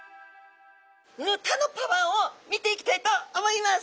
ヌタのパワーを見ていきたいと思います！